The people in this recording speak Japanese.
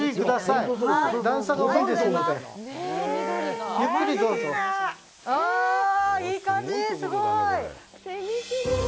いい感じ、すごーい。